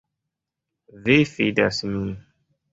Vi fidas min.